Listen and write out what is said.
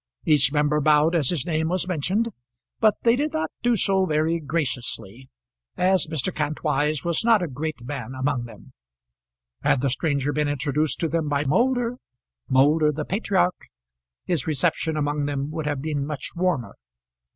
Each member bowed as his name was mentioned; but they did not do so very graciously, as Mr. Kantwise was not a great man among them. Had the stranger been introduced to them by Moulder, Moulder the patriarch, his reception among them would have been much warmer.